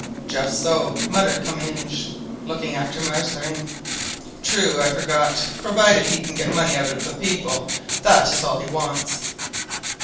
"Just so," muttered Comminges, looking after Mazarin. "True, I forgot; provided he can get money out of the people, that is all he wants."